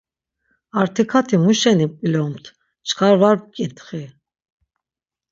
Artikati muşeni p̌ilomt, çkar var mǩitxi.